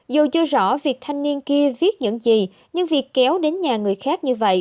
dù chưa rõ việc thanh niên kia viết những gì nhưng việc kéo đến nhà người khác như vậy